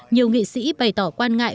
nhiều nghị sĩ bày tỏ quan ngại